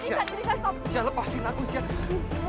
kita gak usah bahas masalah yang lain